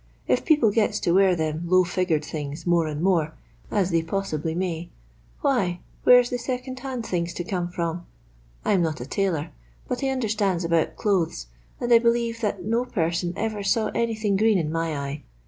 If people gets to wear them low figured things, more and more, as they possibly may, why where 's the second hand things to come from] I'm not a tailor, but I understand! about clothes, and I believe that no person ever saw anything green in my eye.